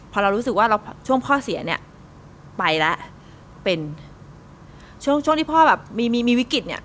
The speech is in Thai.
พอเรารู้สึกว่าช่วงพ่อเสียเนี่ยไปแล้วเป็นช่วงช่วงที่พ่อแบบมีมีวิกฤตเนี่ย